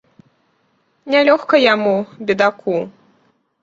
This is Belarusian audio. Не лёгка яму, бедаку.